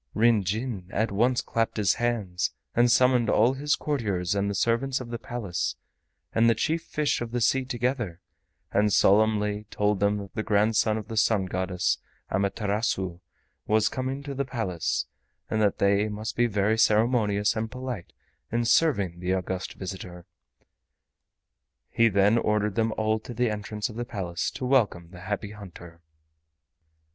Ryn Jin at once clapped his hands and summoned all his courtiers and the servants of the Palace, and the chief fish of the sea together, and solemnly told them that the grandson of the Sun Goddess, Amaterasu, was coming to the Palace, and that they must be very ceremonious and polite in serving the august visitor. He then ordered them all to the entrance of the Palace to welcome the Happy Hunter.